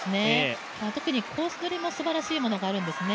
特にコース取りもすばらしいものがあるんですね。